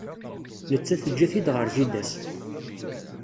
Netta teǧǧa-t-id ɣer jida-s.